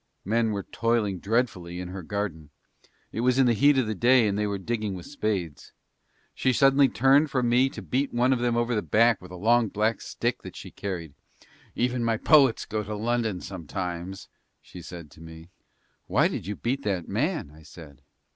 Men were toiling dreadfully in her garden; it was in the heat of the day and they were digging with spades; she suddenly turned from me to beat one of them over the back with a long black stick that she carried. "Even my poets go to London sometimes," she said to me. "Why did you beat that man?" I said.